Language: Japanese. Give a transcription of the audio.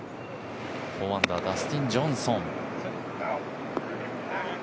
４アンダーダスティン・ジョンソン。